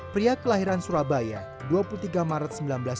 pria kelahiran surabaya dua puluh tiga maret seribu sembilan ratus sembilan puluh